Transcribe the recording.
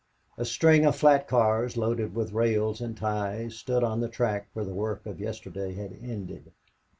A string of flat cars, loaded with rails and ties, stood on the track where the work of yesterday had ended.